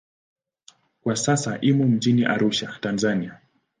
Kwa sasa imo mjini Arusha, Tanzania.